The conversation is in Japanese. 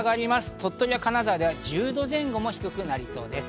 鳥取や金沢では１０度前後も低くなりそうです。